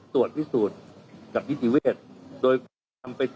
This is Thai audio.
ตอนนี้ท่านศูการเนี่ยส่งไป